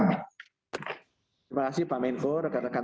terima kasih pak menko rekan rekan